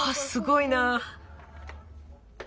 すごいな。